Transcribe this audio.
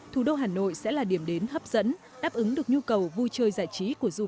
thủ đô hà nội sẽ là điểm đến hấp dẫn đáp ứng được nhu cầu vui chơi giải trí